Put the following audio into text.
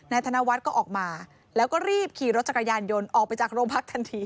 ธนวัฒน์ก็ออกมาแล้วก็รีบขี่รถจักรยานยนต์ออกไปจากโรงพักทันที